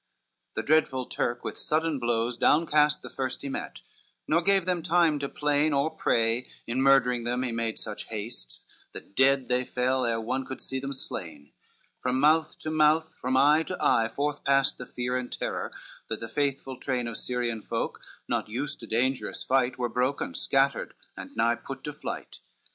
LXXVII The dreadful Turk with sudden blows down cast The first he met, nor gave them time to plain Or pray, in murdering them he made such haste That dead they fell ere one could see them slain; From mouth to mouth, from eye to eye forth passed The fear and terror, that the faithful train Of Syrian folk, not used to dangerous fight, Were broken, scattered, and nigh put to flight.